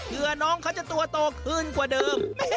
น้องเขาจะตัวโตขึ้นกว่าเดิม